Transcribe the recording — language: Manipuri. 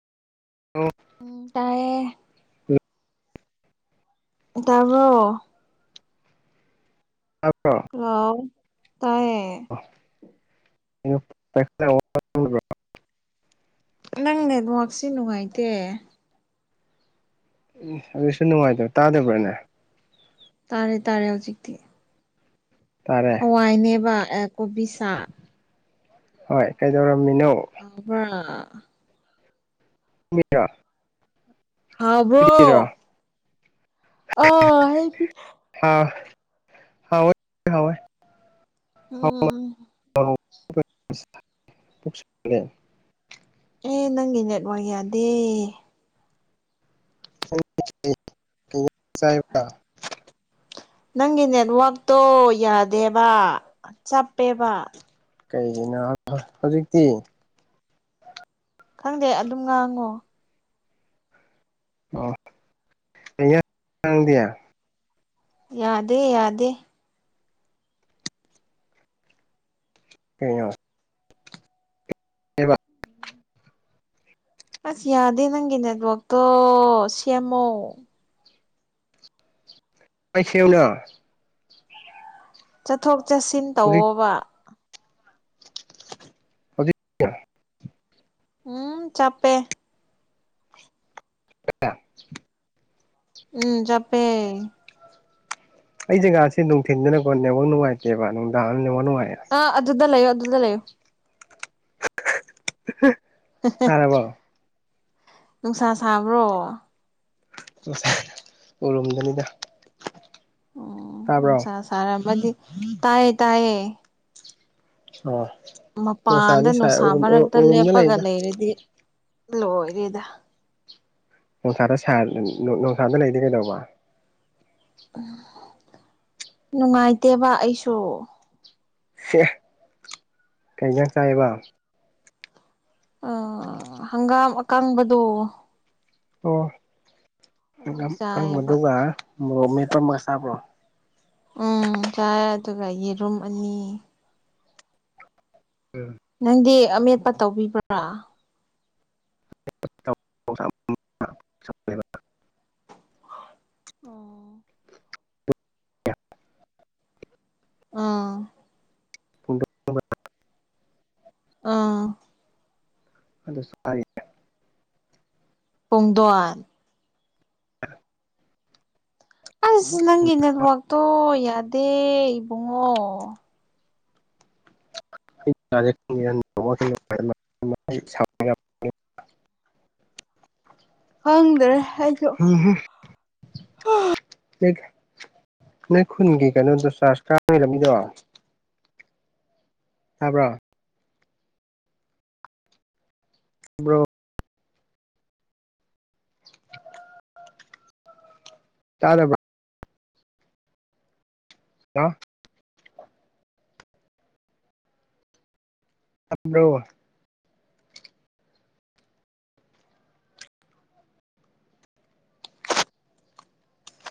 ꯎꯝ ꯇꯌꯦ ꯇꯥꯕ꯭ꯔꯣ ꯇꯔꯣ ꯑꯥꯎ ꯇꯥꯏꯌꯦ [unintelligible] [inaudible] ꯅꯪ ꯅꯦꯠꯋꯔꯛꯁꯤ ꯅꯨꯡꯉꯥꯏꯇꯦ ꯎ ꯑꯗꯨꯁꯨ ꯅꯨꯡꯉꯥꯏꯇꯕ ꯇꯥꯗꯕ꯭ꯔꯥꯅꯦ ꯇꯥꯔꯦ ꯇꯥꯔꯦ ꯍꯧꯖꯤꯛꯇꯤ ꯇꯥꯔꯦ ꯍꯋꯥꯏꯅꯦꯕ ꯀꯣꯕꯤ ꯁꯥ ꯍꯣꯏ ꯀꯩꯗꯧꯔ ꯍꯥꯑꯣꯕꯔꯥ ꯔꯥ [unintelligible] [inaudible] ꯍꯥꯑꯣꯕꯔꯣ ꯑ ꯍꯥꯏꯗꯤ ꯍꯣꯏ ꯍꯋꯥꯣꯏ ꯑꯣ [unintelligible] [inaudible] ꯦ [unintelligible] [inaudible] ꯑꯦ ꯅꯪꯒꯤ ꯅꯦꯠꯋꯔꯛ ꯌꯥꯗꯦ ꯕ [unintelligible] [inaudible] ꯅꯪꯒꯤ ꯅꯦꯠꯋꯥꯛꯛꯇꯣ ꯌꯥꯗꯦꯕ ꯆꯞꯄꯦꯕ ꯀꯩꯒꯤꯅꯣ ꯍꯧꯖꯤꯛꯇꯤ ꯈꯪꯗꯦ ꯑꯗꯨꯝ ꯉꯥꯡꯉꯣ ꯑꯣ ꯏ ꯁꯗꯦ ꯌꯥꯗꯦ ꯌꯥꯗꯦ ꯀꯩꯅ ꯍꯕ ꯑꯁ ꯌꯥꯗꯦ ꯅꯪꯒꯤ ꯅꯦꯠꯋꯛꯇꯣ ꯁꯦꯝꯃꯣ ꯑꯩꯏ ꯁꯅ ꯆꯠꯊꯣꯛ ꯆꯠꯁꯤꯟ ꯍꯧꯖꯤꯛ ꯇꯧꯑꯣꯕ ꯑ [unintelligible] ꯎꯝ ꯆꯄꯦ ꯑ [unintelligible] [inaudible] ꯎꯝ ꯆꯄꯦ ꯑꯩ ꯖꯒꯥꯁꯤ ꯅꯨꯡꯊꯤꯟꯗꯅꯀꯣ ꯅꯕꯧ ꯅꯨꯡꯉꯥꯏꯇꯦꯕ ꯅꯨꯡꯗꯥꯡ ꯅ ꯅꯨꯡꯉꯥꯏ ꯑ ꯑꯗꯨꯗ ꯂꯩꯣ ꯑꯗꯨꯗ ꯂꯩꯣ ꯇꯥꯔꯔꯕꯣ ꯅꯨꯡꯁꯥ ꯁꯥꯕ꯭ꯔꯣ ꯥꯏ ꯎꯔꯨꯝꯗꯅꯤꯗ ꯎꯝ ꯇꯥꯔꯕꯣ ꯅꯨꯡꯁꯥ ꯁꯥꯔꯝꯃꯗꯤ ꯇꯥꯏꯌꯦ ꯇꯥꯏꯌꯦ ꯑꯣ ꯃꯄꯥꯟꯗ ꯅꯨꯡꯁꯥ ꯃꯔꯛꯇ ꯎꯔꯨꯝꯗ ꯂꯦꯞꯄꯒ ꯂꯩꯗ ꯂꯩꯔꯗꯤ ꯂꯣꯏꯔꯦꯗ ꯅꯣꯡꯁꯥꯗ ꯅꯣꯡꯁꯥꯗ ꯂꯩꯗꯤ ꯀꯩꯗꯧꯕ ꯅꯨꯡꯉꯥꯏꯇꯦꯕ ꯑꯩꯁꯨ ꯁꯦ ꯀꯩ ꯌꯥꯝ ꯆꯥꯏꯌꯦꯕ ꯑ ꯍꯒꯥꯥꯡ ꯑꯀꯪꯝꯕꯗꯨ ꯑꯣ ꯆꯥꯏꯌꯦꯕ ꯈꯪꯕꯗꯨ ꯃꯣꯃꯤꯇ ꯃꯁꯥꯕ꯭ꯔꯣ ꯎꯝ ꯆꯥꯏ ꯑꯗꯨꯒ ꯌꯦꯔꯨꯝ ꯑꯅꯤ ꯅꯪꯗꯤ ꯑꯃꯦꯠꯄ ꯇꯧꯕꯤꯕ꯭ꯔꯥ [unintelligible] [inaudible] ꯑꯣ [unintelligible] [inaudible] [inaudible] [inaudible] ꯑꯥ ꯑꯥ ꯑꯗ ꯁꯔ ꯄꯨꯡꯗꯋꯥꯟ ꯑꯩꯁ ꯅꯪꯒꯤ ꯅꯠꯕꯥꯛꯇꯣ ꯌꯥꯗꯦ ꯏꯕꯨꯡꯉꯣ [unintelligible] [unintelligible] ꯍꯪꯗ꯭ꯔꯦ ꯑꯩꯁꯨ ꯅꯪ ꯈꯨꯟꯒꯤ ꯀꯩꯅꯣꯗꯣ ꯆꯥꯔꯖ ꯀꯥꯕꯤꯔꯝꯃꯤꯗꯣ ꯍꯥꯕ꯭ꯔꯣ ꯭ꯔꯣ ꯆꯂꯦ ꯀ ꯊꯝꯕ꯭ꯔꯣ